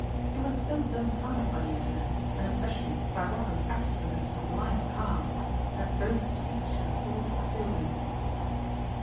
He was so dumbfounded by the affair, and especially by Rocco's absolute and sublime calm, that both speech and thought failed him.